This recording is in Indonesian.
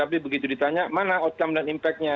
begitu ditanya mana outcome dan impactnya